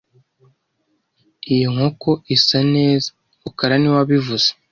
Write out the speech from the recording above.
Iyo nkoko isa neza rukara niwe wabivuze